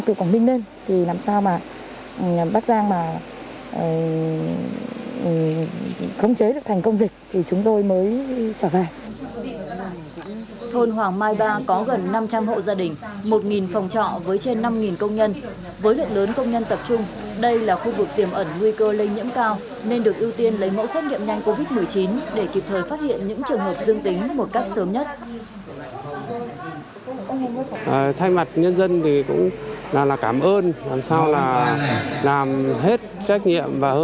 với lượt lớn công nhân tập trung đây là khu vực tiềm ẩn nguy cơ lây nhiễm cao